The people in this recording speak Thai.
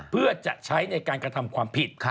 เพื่อจะใช้ในการกระทำความผิด